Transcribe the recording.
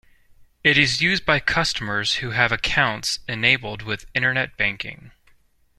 It is used by customers who have accounts enabled with Internet banking.